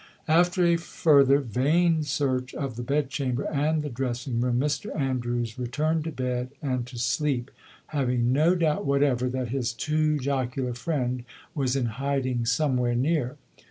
After a further vain search of the bed chamber and the dressing room, Mr Andrews returned to bed and to sleep, having no doubt whatever that his too jocular friend was in hiding somewhere near.